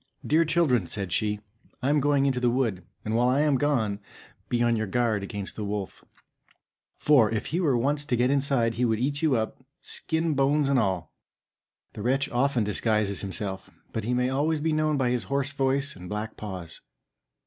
"Dear children," said she, "I am going out into the wood; and while I am gone, be on your guard against the wolf, for if he were once to get inside he would eat you up, skin, bones, and all. The wretch often disguises himself, but he may always be known by his hoarse voice and black paws."